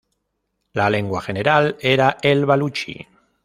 La lengua general era el baluchi.